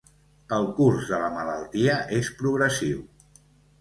El curs de la malaltia és progressiu.